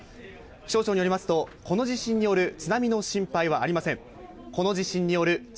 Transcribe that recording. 気象庁によりますと、この地震による津波の心配はありません。